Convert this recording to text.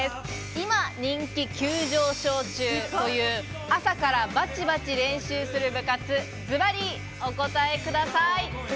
今、人気急上昇中という朝からバチバチ練習する部活、ズバリお答えください。